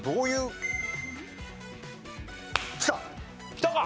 きたか！